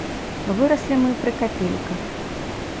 Выраслі мы пры капейках.